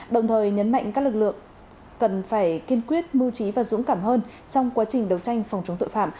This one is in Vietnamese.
đồng thời nhấn mạnh các lực lượng cần phải kiên quyết mưu trí và dũng cảm hơn trong quá trình đấu tranh phòng chống tội phạm